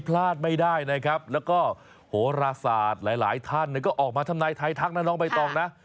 พลาดไม่ได้นะครับแล้วก็โหราศาสตร์หลายท่านก็ออกมาทำนายไทยทักนะน้องใบตองนะ